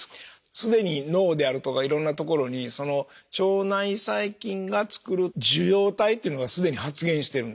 既に脳であるとかいろんなところにその腸内細菌が作る受容体というのが既に発現してるんですね。